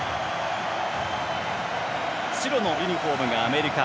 白のユニフォームがアメリカ。